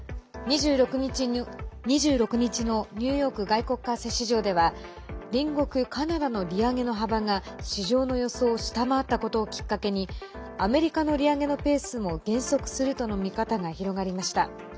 ２６日のニューヨーク外国為替市場では隣国カナダの利上げの幅が市場の予想を下回ったことをきっかけにアメリカの利上げのペースも減速するとの見方が広がりました。